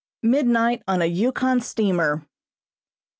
MIDNIGHT ON A YUKON STEAMER.